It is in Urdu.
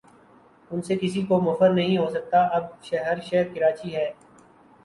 ان سے کسی کو مفر نہیں ہو سکتا اب ہر شہر کراچی ہے۔